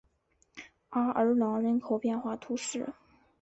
阿尔朗人口变化图示